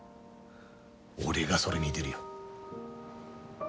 俺がそれ見でるよ。